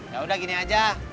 yaudah gini aja